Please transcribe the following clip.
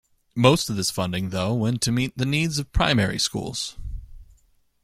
Most of this funding, though, went to meet the needs of primary schools.